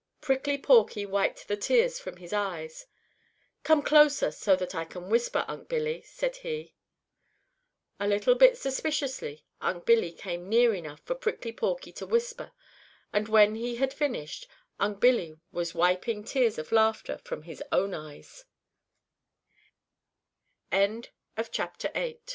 Prickly Porky wiped the tears from his eyes. "Come closer so that I can whisper, Unc' Billy," said he. A little bit suspiciously Unc' Billy came near enough for Prickly Porky to whisper, and when he had finished, Unc' Billy was wiping